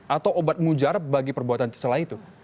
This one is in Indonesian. atau obat mujarab bagi perbuatan tercela